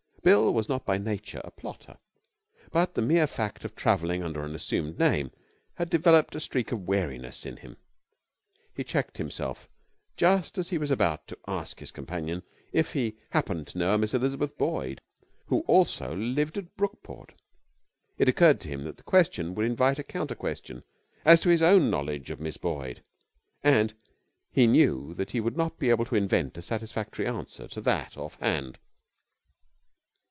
Bill was not by nature a plotter, but the mere fact of travelling under an assumed name had developed a streak of wariness in him. He checked himself just as he was about to ask his companion if he happened to know a Miss Elizabeth Boyd, who also lived at Brookport. It occurred to him that the question would invite a counter question as to his own knowledge of Miss Boyd, and he knew that he would not be able to invent a satisfactory answer to that offhand.